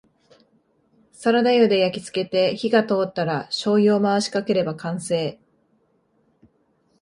サラダ油で焼きつけて火が通ったらしょうゆを回しかければ完成